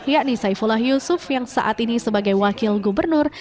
yakni saifullah yusuf yang saat ini sebagai wakil gubernur